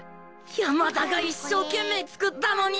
山田が一生懸命作ったのに！